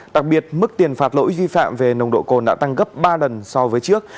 đặc biệt mức tiền phạt lỗi vi phạm về nồng độ cồn đã tăng gấp ba lần so với trước